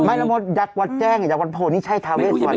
ไม่ละมดยักษ์วันแจ้งยักษ์วันโพลนี่ใช่ทาเวศวันไหม